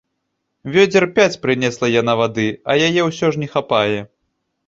Вёдзер пяць прынесла яна вады, а яе ўсё ж не хапае.